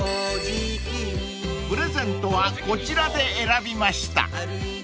［プレゼントはこちらで選びました］